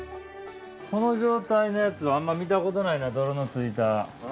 この状態のやつあんま見たことないな泥のついた。